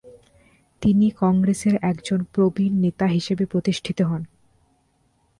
তিনি কংগ্রেসের একজন প্রবীণ নেতা হিসাবে প্রতিষ্ঠিত হন ।